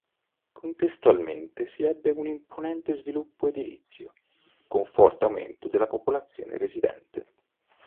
Contestualmente si ebbe un imponente sviluppo edilizio, con forte aumento della popolazione residente.